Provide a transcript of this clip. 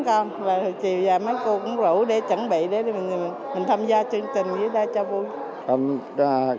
các cô thấy cũng vui lắm và hồi chiều dài mấy cô cũng rủ để chuẩn bị để mình tham gia chương trình với đó cho vui